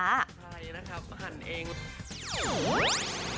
ใช่นะครับหั่นเอง